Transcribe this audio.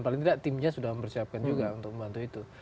paling tidak timnya sudah mempersiapkan juga untuk membantu itu